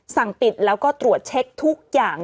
สั่งปิดแล้วก็ตรวจเช็คทุกอย่าง